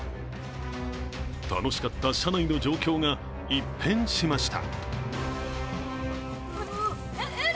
楽しかった車内の状況が一変しました。